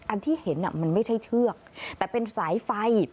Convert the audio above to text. อันที่เห็นมันไม่ใช่เชือกแต่เป็นสายไฟ